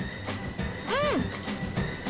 うん！